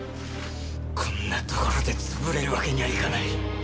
こんなところで潰れるわけにはいかない。